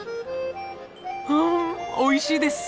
んおいしいです！